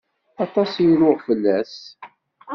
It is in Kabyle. Aṭas i ruɣ fell-as.